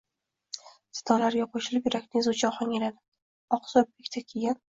sadolariga qo'shilib, yurakni ezuvchi ohangga aylanadi... Oq surp yaktak kiygan